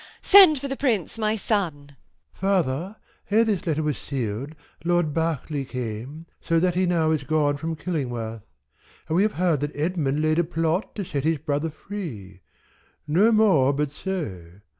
send for the prince my son. Bish. of Win. Further, or this letter was seal'd, Lord Berkeley came, So that he now is gone from Killingworth; And we have heard that Edmund laid a plot To set his brother free; nor more but so.